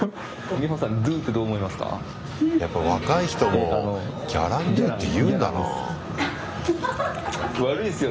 やっぱり若い人も「ギャランドゥ」って言うんだな。